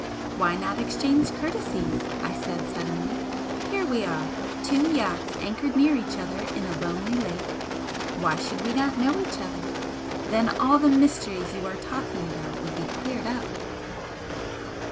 "Why not exchange courtesies?" I said, suddenly, "Here we are two yachts anchored near each other in a lonely lake, why should we not know each other? Then all the mysteries you are talking about would be cleared up."